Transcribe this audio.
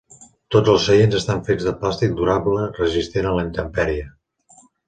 Tots els seients estan fets de plàstic durable resistent a la intempèrie.